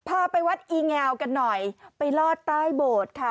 พาไปวัดอีแงวกันหน่อยไปลอดใต้โบสถ์ค่ะ